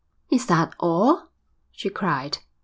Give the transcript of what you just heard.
'Is that all?' she cried.